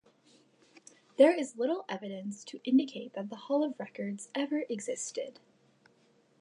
There is little evidence to indicate that the Hall of Records ever existed.